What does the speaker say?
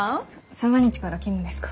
三が日から勤務ですか？